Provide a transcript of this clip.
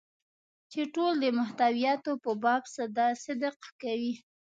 چې ټول د محتویاتو په باب صدق کوي.